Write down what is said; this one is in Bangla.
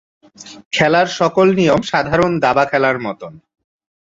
খেলার সকল নিয়ম সাধারণ দাবা খেলার মতন।